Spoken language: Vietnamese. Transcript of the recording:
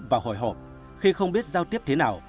và hồi hộp khi không biết giao tiếp thế nào